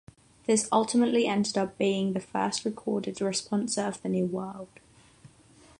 This ultimately ended up being the first recorded responsa of the New World.